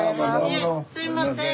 すいません。